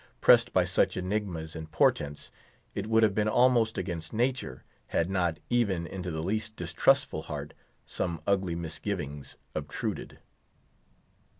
Pressed by such enigmas and portents, it would have been almost against nature, had not, even into the least distrustful heart, some ugly misgivings obtruded.